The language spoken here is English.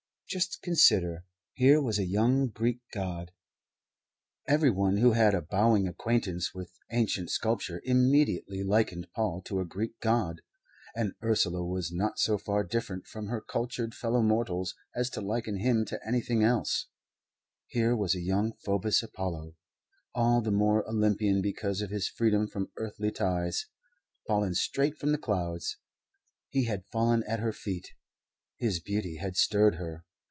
Just consider. Here was a young Greek god everyone who had a bowing acquaintance with ancient sculpture immediately likened Paul to a Greek god, and Ursula was not so far different from her cultured fellow mortals as to liken him to anything else here was a young Phoebus Apollo, all the more Olympian because of his freedom from earthly ties, fallen straight from the clouds. He had fallen at her feet. His beauty had stirred her.